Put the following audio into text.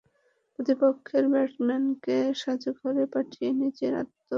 প্রতিপক্ষের ব্যাটসম্যানকে সাজঘরে পাঠিয়ে নিজের আত্মপ্রত্যয় ঘোষণার তাসকিনের সেই চেনা ভঙ্গিটি।